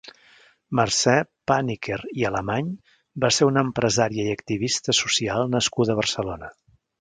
Mercé Pàniker i Alemany va ser una empresària i activista social nascuda a Barcelona.